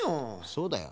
そうだよ。